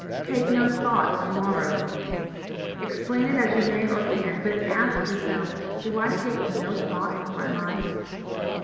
Take no thought for the morrow. Explain it as you may or can but ask yourselves Do I take no thought for my life?